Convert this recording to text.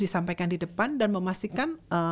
disampaikan di depan dan memastikan